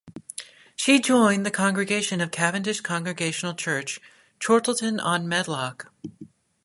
She joined the congregation of Cavendish Congregational Church, Chorlton-on-Medlock.